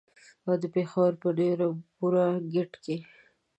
او د پېښور په نیو رمپوره ګېټ کې.